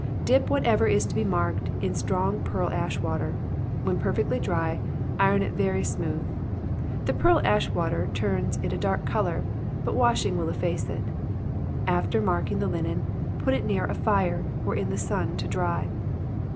Dip whatever is to be marked in strong pearl ash water. When perfectly dry, iron it very smooth; the pearl ash water turns it a dark color, but washing will efface it. After marking the linen, put it near a fire, or in the sun, to dry.